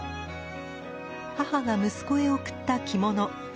母が息子へ贈った着物。